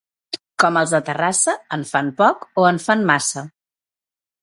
Com els de Terrassa, en fan poc o en fan massa.